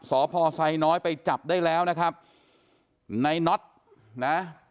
สพไซน้อยไปจับได้แล้วนะครับในน็อตนะ